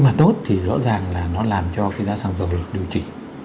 mà tốt thì rõ ràng là nó làm cho cái giá xăng dầu được điều chỉ